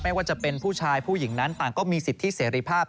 ว่าจะเป็นผู้ชายผู้หญิงนั้นต่างก็มีสิทธิเสรีภาพ